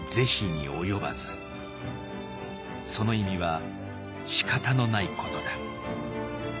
その意味はしかたのないことだ。